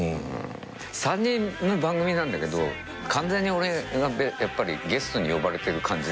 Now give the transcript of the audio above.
３人の番組なんだけど完全に俺がゲストに呼ばれてる感じになってる。